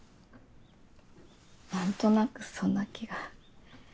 なんとなくそんな気が。